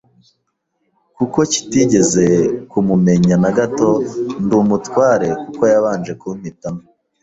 kuko kitegeze kumumenya na gato, ndi umutware kuko yabanje kumpitamo.